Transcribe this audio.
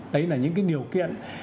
đấy là những cái điều kiện